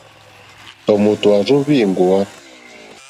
Tɔ̀mòtò à rzóŋwí èŋɡòwá.